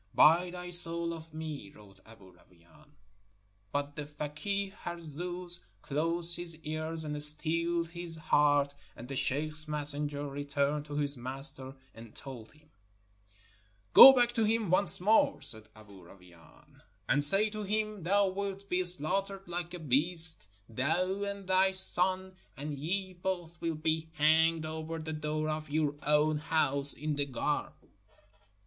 "Buy thy soul of me!" wrote Aboo Rawain; but the fakeeh Harzooz closed his ears and steeled his heart, and the sheikh's messenger returned to his master and told him. "Go back to him once more," said Aboo Rawain, 314 TRADITIONS OF THE SHEIKHS OF MOROCCO "and say to him, 'Thou wilt be slaughtered like a beast, thou and thy son, and ye both will be hanged over the door of your own house in the Gharb.'"